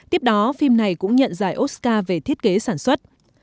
tiếp đó phim này cũng nhận giải oscar về thiết kế sản xuất